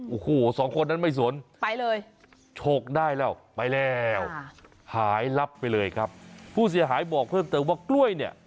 โอ้โหสองคนนั้นไม่สนไปเลยโชคได้แล้วไปแล้วหายลับไปเลยครับผู้เสียหายบอกเพิ่มเติมว่ากล้วยเนี่ย